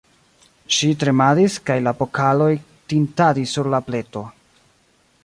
Ŝi tremadis, kaj la pokaloj tintadis sur la pleto.